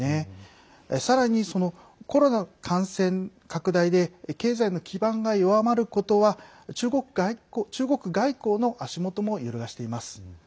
さらに、コロナ感染拡大で経済の基盤が弱まることは中国外交の足元も揺るがしています。